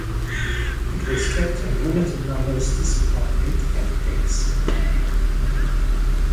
It was kept in limited numbers to supply meat and eggs.